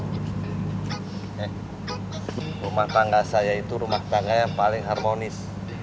eh rumah tangga saya itu rumah tangga yang paling harmonis